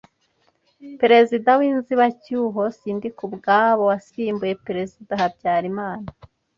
Perezida w’inzibacyuho Sindikubwabo wasimbuye Perezida Habyarimana,